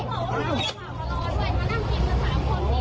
พวกมึงมาไปไหนอีก